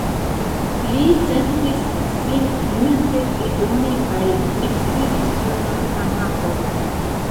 Li sentis sin multe pli bone kaj eksidis sur la kanapo.